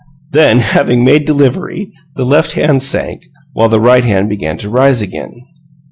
Then, having made delivery, the left hand sank, while the right began to rise again.